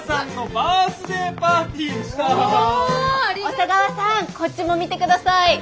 小佐川さんこっちも見て下さい。